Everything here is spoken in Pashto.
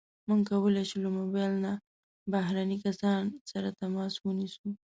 موږ کولی شو له موبایل نه بهرني کسان سره تماس ونیسو.